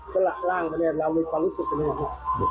ก็หลังคะแนนเรามีความรู้สึกว่าโอ้โฮ